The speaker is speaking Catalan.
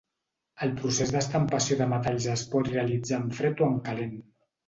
El procés d'estampació de metalls es pot realitzar en fred o en calent.